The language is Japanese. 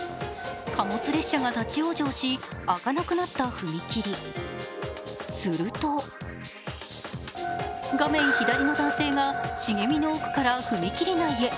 貨物列車が立往生し開かなくなった踏切、すると画面左の男性が、茂みの奥から踏切内へ。